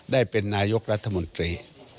ได้เป็นนายกรัฐมนตรี